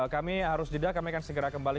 kami harus jeda kami akan segera kembali